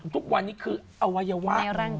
ทุกวันนี้คืออวัยวะ